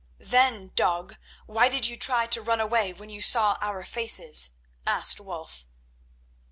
"Then, dog, why did you try to run away when you saw our faces?" asked Wulf.